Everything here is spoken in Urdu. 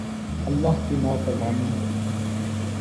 ، اللہ کی نافرمانی ہو